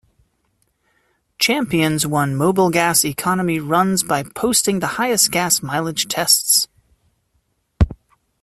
Champions won Mobilgas economy runs by posting the highest gas mileage tests.